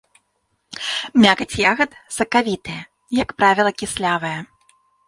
Мякаць ягад сакавітая, як правіла, кіслявая.